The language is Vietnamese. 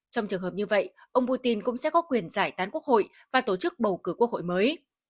trong trường hợp như vậy ông putin cũng sẽ có quyền giải tán quốc hội và tổ chức bầu cử quốc hội mới